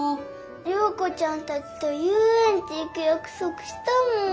リョーコちゃんたちとゆうえんち行くやくそくしたもん。